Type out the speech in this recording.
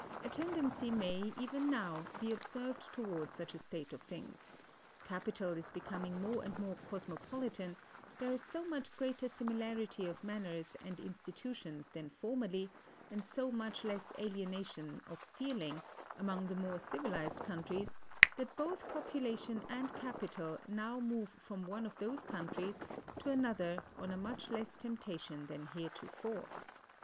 A tendency may, even now, be observed toward such a state of things: capital is becoming more and more cosmopolitan; there is so much greater similarity of manners and institutions than formerly, and so much less alienation of feeling, among the more civilized countries, that both population and capital now move from one of those countries to another on much less temptation than heretofore.